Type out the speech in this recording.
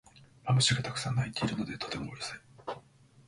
マツムシがたくさん鳴いているのでとてもうるさい